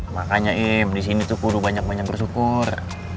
makanya im di sini tuh guru banyak banyak bersyukur